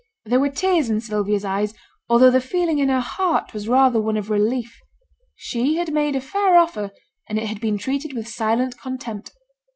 There were tears in Sylvia's eyes, although the feeling in her heart was rather one of relief. She had made a fair offer, and it had been treated with silent contempt.